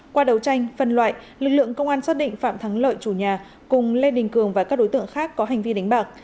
qua đấu tranh phân loại lực lượng công an xác định phạm thắng lợi chủ nhà cùng lê đình cường và các đối tượng khác có hành vi đánh bạc